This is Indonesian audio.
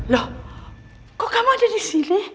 loh kok kamu ada disini